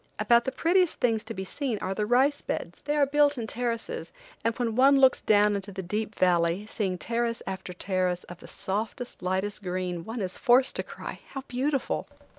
About the prettiest things to be seen are the rice beds. They are built in terraces, and when one looks down into the deep valley, seeing terrace after terrace of the softest, lightest green, one is forced to cry: "How beautiful!"